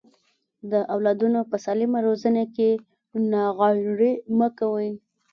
د اولادونو په سالمه روزنه کې ناغيړي مکوئ.